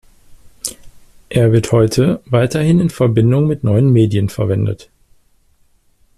Er wird heute weiterhin in Verbindung mit neuen Medien verwendet.